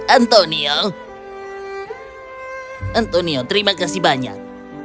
antonio terima kasih banyak